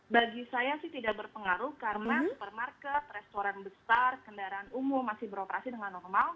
bagi saya sih tidak berpengaruh karena supermarket restoran besar kendaraan umum masih beroperasi dengan normal